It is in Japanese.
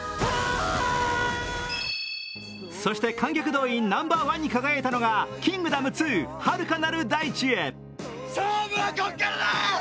そして観客動員ナンバーワンに輝いたのが「キングダム２遥かなる大地へ」。